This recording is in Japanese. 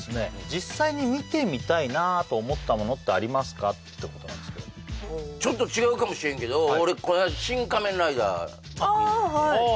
実際に見てみたいなと思ったものってありますかってことなんですけどほおちょっと違うかもしれんけど俺この間「シン・仮面ライダー」見に行ってああ